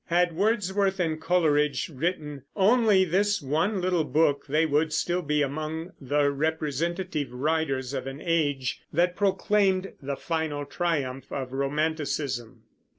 Had Wordsworth and Coleridge written only this one little book, they would still be among the representative writers of an age that proclaimed the final triumph of Romanticism.